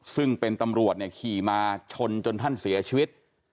ซึ่งเป็นตำรวจเนี่ยขี่มาชนจนท่านเสียชีวิต